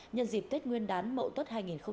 nhân dịp tết nguyên đán mậu tuất hai nghìn một mươi tám